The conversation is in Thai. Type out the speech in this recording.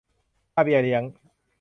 ค่าเบี้ยเลี้ยง